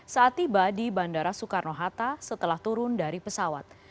saat tiba di bandara soekarno hatta setelah turun dari pesawat